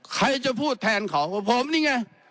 ใครจะพูดแทนเขาก็ผมนี่ไง